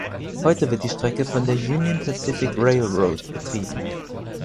Heute wird die Strecke von der Union Pacific Railroad betrieben.